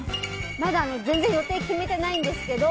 まだ全然予定決めてないんですけど